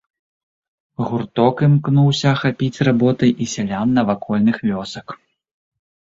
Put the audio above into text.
Гурток імкнуўся ахапіць работай і сялян навакольных вёсак.